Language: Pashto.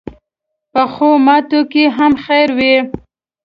پخو ماتو کې هم خیر وي